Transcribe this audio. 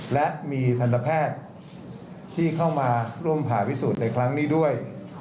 และมีทันตแพทย์ที่เข้ามาร่วมผ่าพิสูจน์ในครั้งนี้ด้วย